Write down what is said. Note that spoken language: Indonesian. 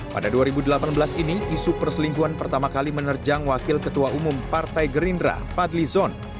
pada dua ribu delapan belas ini isu perselingkuhan pertama kali menerjang wakil ketua umum partai gerindra fadli zon